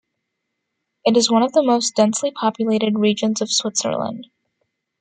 It is one of the most densely populated regions of Switzerland.